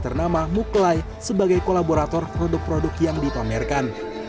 ternama muklai sebagai kolaborator produk produk yang ditamerkan